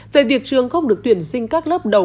về việc trường không được tuyển sinh các lớp đầu